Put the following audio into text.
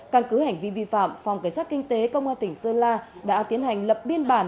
căn cứ hành vi vi phạm phòng cảnh sát kinh tế công an tỉnh sơn la đã tiến hành lập biên bản